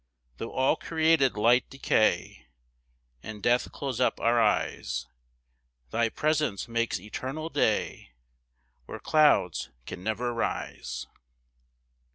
8 Tho' all created light decay, And death close up our eyes Thy presence makes eternal day Where clouds can never rise.